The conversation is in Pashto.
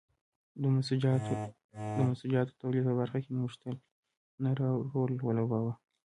د منسوجاتو د تولید په برخه کې نوښتونو رول ولوباوه.